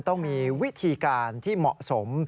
ต้องมีวิธีการที่เหมาะสม